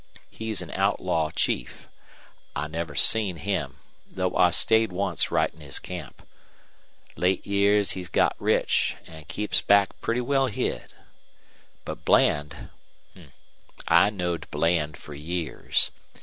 He's an outlaw chief. I never seen him, though I stayed once right in his camp. Late years he's got rich an' keeps back pretty well hid. But Bland I knowed Bland fer years.